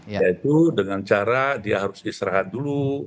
yaitu dengan cara dia harus istirahat dulu